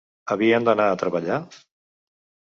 Havien d’anar a treballar?